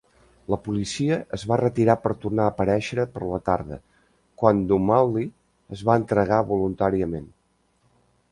La policia es va retirar per tornar a aparèixer per la tarda, quan Dumanli es va entregar voluntàriament.